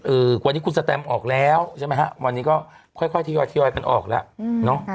อือวันนี้คุณสแตมออกแล้วใช่ไหมฮะวันนี้ก็ค่อยทีรอยกันออกแล้ว